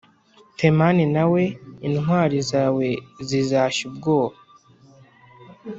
temani nawe, intwari zawe zizashya ubwoba,